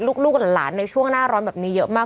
ลูกหลานในช่วงหน้าร้อนแบบนี้เยอะมาก